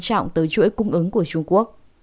trọng tới chuỗi cung ứng của trung quốc